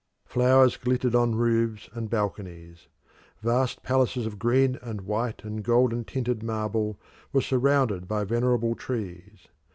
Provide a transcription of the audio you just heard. Flowers glittered on roofs and balconies. Vast palaces of green and white and golden tinted marble were surrounded by venerable trees.